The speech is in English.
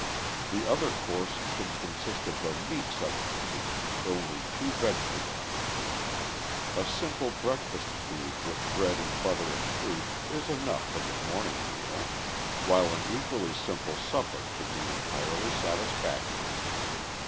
The other course should consist of a meat substitute and only two vegetables. A simple breakfast food, with bread and butter and fruit, is enough for the morning meal; while an equally simple supper should be entirely satisfactory.